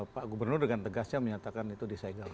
pak gubernur dengan tegasnya menyatakan itu di saigal